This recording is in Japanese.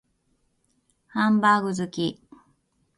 ハンバーグ好き